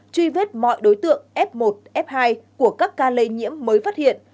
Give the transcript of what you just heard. truy vết mọi đối tượng f một f hai của các ca lây nhiễm mới phát hiện